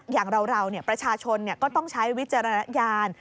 อย่างเราประชาชนก็ต้องใช้วิจารณญาณ